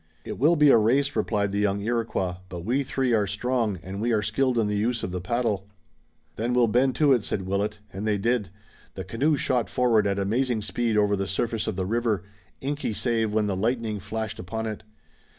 "It will be a race," replied the young Iroquois, "but we three are strong, and we are skilled in the use of the paddle." "Then we'll bend to it," said Willet. And they did. The canoe shot forward at amazing speed over the surface of the river, inky save when the lightning flashed upon it.